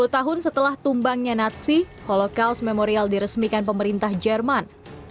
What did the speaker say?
enam puluh tahun setelah tumbangnya nazi holocaust memorial diresmikan pemerintah jerman